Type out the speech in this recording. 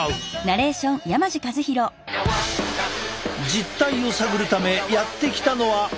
実態を探るためやって来たのは沖縄県。